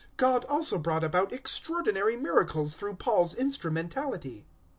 019:011 God also brought about extraordinary miracles through Paul's instrumentality.